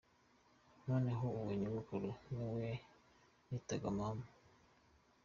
Noneho uwo nyogokuru, ni we nitaga mama.